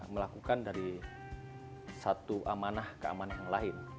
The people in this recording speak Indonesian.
melakukan dari satu amanah ke aman yang lain